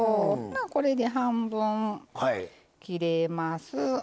これで半分切れます。